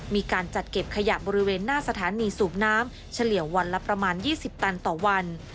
มีการจัดเก็บขยะบริเวณหน้าสถานีสูบน้ำเฉลี่ยวันละประมาณ๒๐ตันต่อวัน